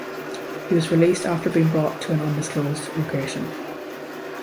He was released after being brought to an undisclosed location.